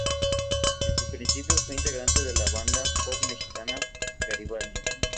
En sus inicios fue integrante de la banda pop mexicana Garibaldi.